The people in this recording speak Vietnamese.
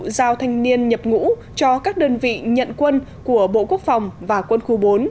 giao thanh niên nhập ngũ cho các đơn vị nhận quân của bộ quốc phòng và quân khu bốn